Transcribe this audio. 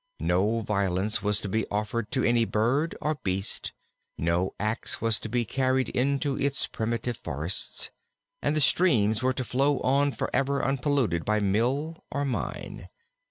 No violence was to be offered to any bird or beast, no ax was to be carried into its primitive forests, and the streams were to flow on forever unpolluted by mill or mine.